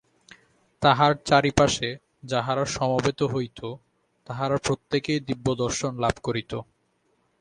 তাঁহার চারিপাশে যাহারা সমবেত হইত, তাহারা প্রত্যেকেই দিব্যদর্শন লাভ করিত।